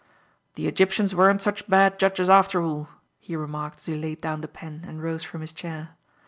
"The Egyptians weren't such bad judges, after all," he remarked as he laid down the pen and rose from his chair.